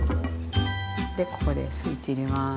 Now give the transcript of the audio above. でここでスイッチ入れます。